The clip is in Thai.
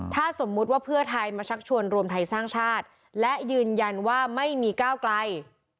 ถ้าสมมุติว่าเพื่อไทยมาชักชวนรวมไทยสร้างชาติและยืนยันว่าไม่มีก้าวไกล